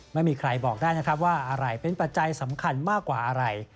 ไม่มีใครบอกได้นะครับว่าอะไรเป็นปัจจัยสำคัญมากกว่าอะไร